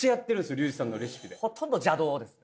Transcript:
リュウジさんのレシピでほとんど邪道ですね